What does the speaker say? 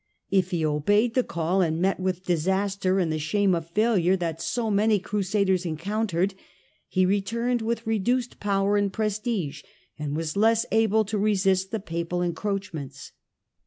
If he obeyed the call and met with disaster and the shame of failure that so many Crusaders encountered, he returned with reduced power and prestige, and was less able to resist the Papal encroachments.